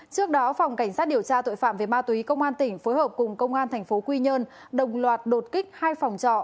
trước đó phòng cảnh sát điều tra tội phạm về ma túy công an tỉnh phối hợp cùng công an tp quy nhơn đồng loạt đột kích hai phòng trọ